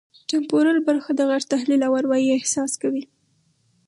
ټمپورل برخه د غږ تحلیل او اروايي احساس کوي